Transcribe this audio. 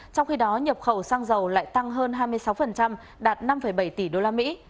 trong khi đó nhập khẩu xăng dầu lại tăng hơn hai mươi sáu đạt năm bảy tỷ đô la mỹ